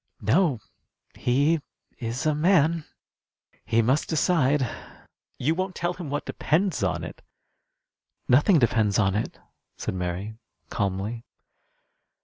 "No. He is a man. He must decide." "You won't tell him what depends on it!" "Nothing depends on it," said Mary, calmly.